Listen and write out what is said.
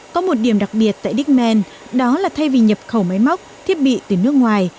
có một điểm đặc biệt tại diemen đó là thay vì nhập khẩu máy móc thiết bị từ nước ngoài